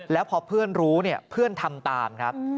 แล้วพอเพื่อนรู้เนี่ยเพื่อนทำตามครับ